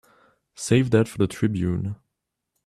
Save that for the Tribune.